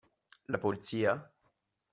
La Polizia?